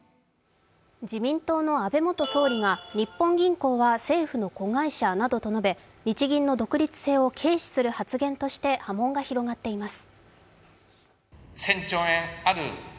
自民党の安倍元総理が日本銀行は政府の子会社などと述べ、日銀の独立性を軽視する発言として波紋が広がっています。